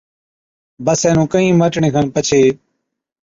بس اينهُون ڪهِين مهٽڻي کن پڇي،